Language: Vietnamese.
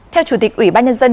theo chủ tịch ủy ban nhân dân